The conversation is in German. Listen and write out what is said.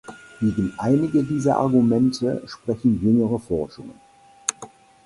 Gegen einige dieser Argumente sprechen jüngere Forschungen.